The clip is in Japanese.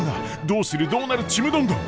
どうするどうなるちむどんどん！